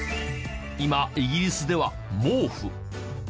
今イギリスでは毛布。